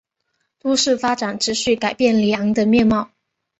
都市发展持续改变里昂的面貌。